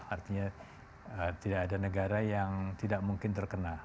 artinya tidak ada negara yang tidak mungkin terkena